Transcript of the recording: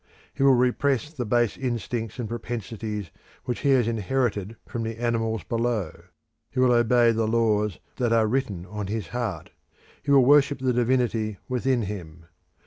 He will repress the base instincts and propensities which he has inherited from the animals below; he will obey the laws that are written on his heart; he will worship the divinity within him.